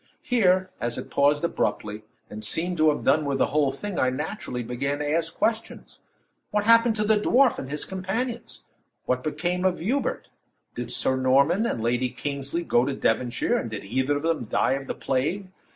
Here, as it paused abruptly, and seemed to have done with the whole thing, I naturally began to ask questions. What happened the dwarf and his companions? What became of Hubert? Did Sir Norman and Lady Kingsley go to Devonshire, and did either of them die of the plague?